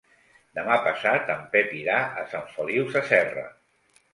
Demà passat en Pep irà a Sant Feliu Sasserra.